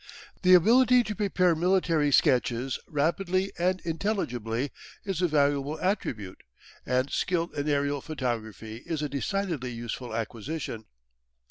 The ability to prepare military sketches rapidly and intelligibly is a valuable attribute, and skill in aerial photography is a decidedly useful acquisition.